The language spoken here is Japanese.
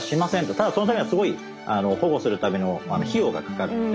ただそのためにはすごい保護するための費用がかかるんで。